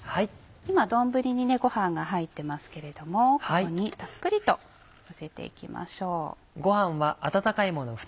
今丼にご飯が入ってますけれどもここにたっぷりとのせていきましょう。